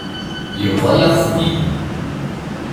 Yebḍa-yaɣ-ten-id.